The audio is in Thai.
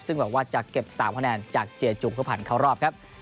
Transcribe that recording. ซึ่งบอกว่าจะเก็บ๓คะแนนจากเจจุเพื่อผ่านเข้ารอบครับ